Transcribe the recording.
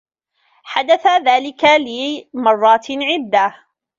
حدث ذلك لي مرّات عدّة.